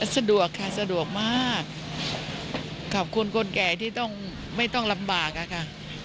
สะดวกค่ะสะดวกมากขอบคุณคนแก่ที่ต้องไม่ต้องลำบากอะค่ะ